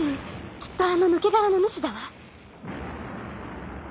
きっとあの抜け殻の主だわ。